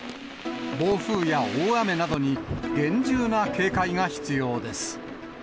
暴風や大雨などに厳重な警戒が必要です。